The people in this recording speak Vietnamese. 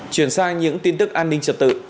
truyền sang những tin tức an ninh trật tự